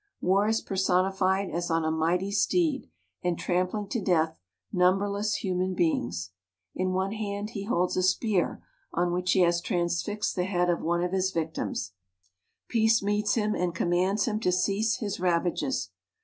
War is personified as on a mighty steed and trampling to death numberless human be ings. In one hand he holds a spear on which he has transfixed the head of one of his vic tims. As he goes on his masterful career Peace meets him and commands him to cease his ravages.